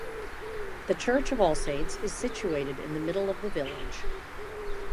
The church of All Saints is situated in the middle of the village.